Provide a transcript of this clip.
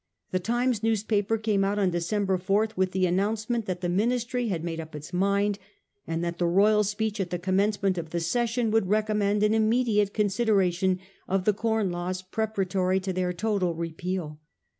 The Times newspaper came out on December 4 with the announcement that the Ministry had made up its mind, and that the Royal speech at the co mm encement of the session would recommend an immediate consideration of the Corn Laws preparatory to their total repeal.